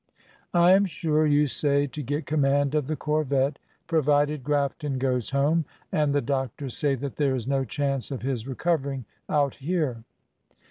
"I am sure, you say, to get command of the corvette, provided Grafton goes home; and the doctors say that there is no chance of his recovering out here.